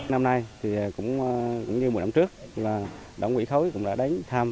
năm nay cũng như một năm trước đảng ủy khối cũng đã đến thăm